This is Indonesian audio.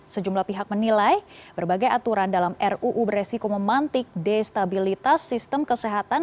sejumlah pihak menilai berbagai aturan dalam ruu beresiko memantik destabilitas sistem kesehatan